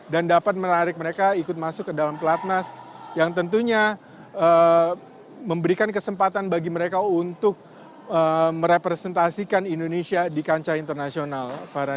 dan dapat menarik mereka ikut masuk ke dalam pelatnas yang tentunya memberikan kesempatan bagi mereka untuk merepresentasikan indonesia di kancah internasional